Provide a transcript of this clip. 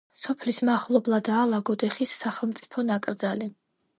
სოფლის მახლობლადაა ლაგოდეხის სახელმწიფო ნაკრძალი.